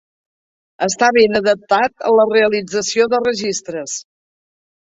Està ben adaptat a la realització de registres.